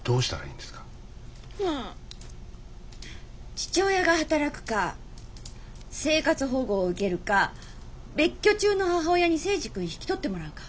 父親が働くか生活保護を受けるか別居中の母親に征二君引き取ってもらうか。